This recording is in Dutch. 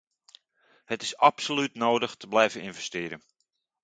Het is absoluut nodig te blijven investeren.